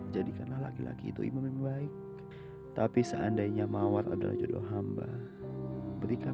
tadi cikirnya agak lama selesai sholat jadinya udah kering air budunya